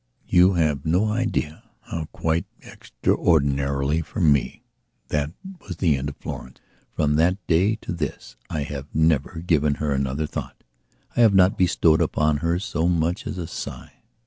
You have no idea how quite extraordinarily for me that was the end of Florence. From that day to this I have never given her another thought; I have not bestowed upon her so much as a sigh.